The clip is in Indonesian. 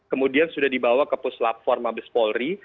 kemudian sudah dibawa ke puslap forma bespolri